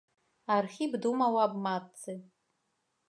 Архіп думаў аб матцы.